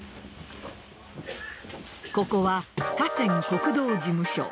ここは河川国道事務所。